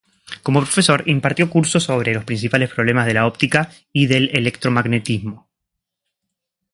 Como profesor impartió cursos sobre los principales problemas de la óptica y del electromagnetismo.